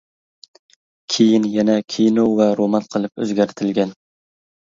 كېيىن يەنە كىنو ۋە رومان قىلىپ ئۆزگەرتىلگەن.